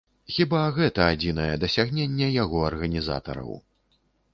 Хіба, гэта адзінае дасягненне яго арганізатараў.